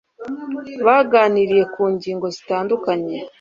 baganiriye ku ngingo zitandukanye